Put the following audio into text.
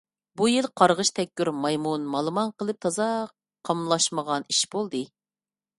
بۇ يىل قارغىش تەگكۈر مايمۇن مالىمان قىلىپ تازا قاملاشمىغان ئىش بولدى.